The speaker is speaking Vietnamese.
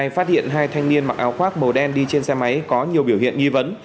phát hiện hai thanh niên mặc áo khoác màu đen đi trên xe máy có nhiều biểu hiện nghi vấn